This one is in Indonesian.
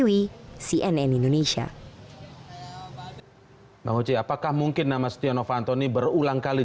k medicinas merili capek ui berangkat menyeing dijalankan ga